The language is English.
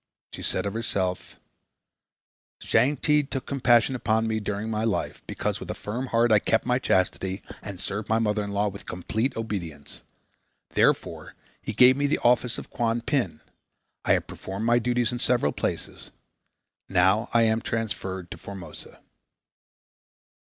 She said of herself: "Shang Ti took compassion upon me during my life, because with a firm heart I kept my chastity and served my mother in law with complete obedience. Therefore he gave me the office of Kuan Pin. I have performed my duties in several places. Now I am transferred to Formosa."